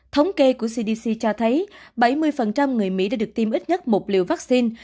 thống kê của cdc cho thấy bảy mươi người mỹ đã được tiêm ít nhất một liều vaccine